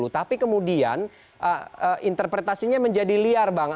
tapi kemudian interpretasinya menjadi liar bang